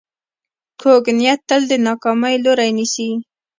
کوږ نیت تل د ناکامۍ لوری نیسي